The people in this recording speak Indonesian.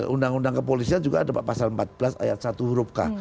undang undang kepolisian juga ada pak pasal empat belas ayat satu huruf k